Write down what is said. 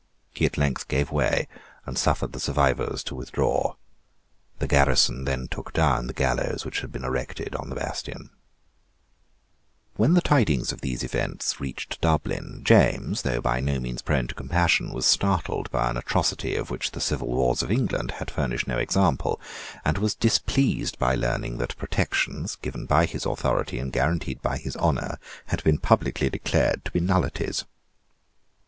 He at length gave way, and suffered the survivors to withdraw. The garrison then took down the gallows which had been erected on the bastion, When the tidings of these events reached Dublin, James, though by no means prone to compassion, was startled by an atrocity of which the civil wars of England had furnished no example, and was displeased by learning that protections, given by his authority, and guaranteed by his honour, had been publicly declared to be nullities.